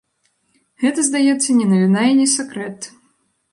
Гэта, здаецца, не навіна і не сакрэт.